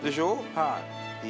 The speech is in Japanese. はい。